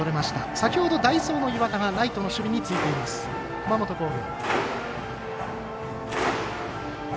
先ほど代走の岩田がライトの守備についています熊本工業。